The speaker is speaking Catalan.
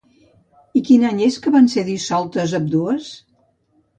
I quin any és que van ser dissoltes ambdues?